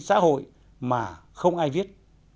xã hội mà không ai viết